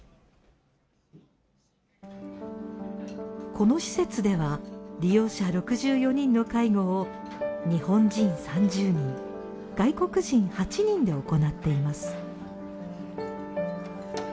この施設では利用者６４人の介護を日本人３０人外国人８人で行っています。